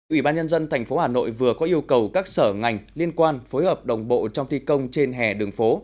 ủy ban nhân dân tp hà nội vừa có yêu cầu các sở ngành liên quan phối hợp đồng bộ trong thi công trên hè đường phố